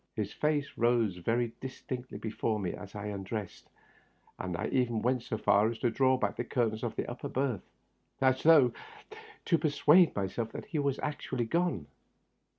His face rose very distinctly before me as I undressed, and I even went so far as to draw back the curtains of the upper berth, as though to persuade myself that he was actu ally gone.